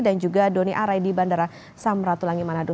dan juga doni arai di bandara samratulagi manado